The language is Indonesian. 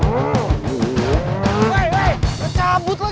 weh lecabut lagi